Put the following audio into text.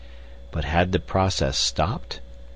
But had the process stopped?